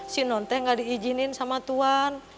si nonte gak diijinin sama tuhan